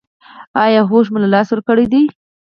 ایا هوښ مو له لاسه ورکړی دی؟